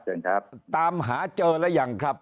เจอนครับตามหาเจอแล้วยังครับ